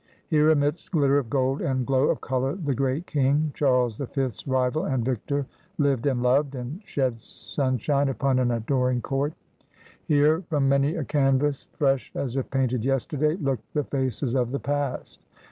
Here, amidst glitter of gold and glow of colour, the great King — Charles the Fifth's rival and victor — lived and loved, and shed sunshine upon an adoring court. Here from many a canvas, fresh as if painted yesterday, looked the faces of the past.